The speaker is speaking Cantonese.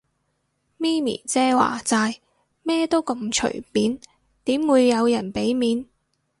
咪咪姐話齋，咩都咁隨便，點會有人俾面